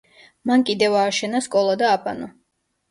მან კიდევ ააშენა სკოლა და აბანო.